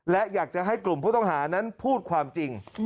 และอยากจะให้กลุ่มผู้ต้องหานั้นพูดความจริง